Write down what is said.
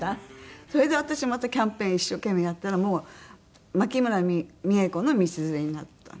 それで私またキャンペーン一生懸命やったらもう牧村三枝子の『みちづれ』になったんです。